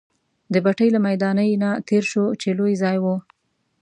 د بټۍ له میدانۍ نه تېر شوو، چې لوی ځای وو.